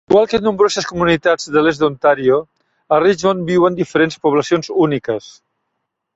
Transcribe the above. Igual que nombroses comunitats de l'est d'Ontario, a Richmond viuen diferents poblacions úniques.